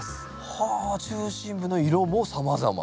はあ中心部の色もさまざま。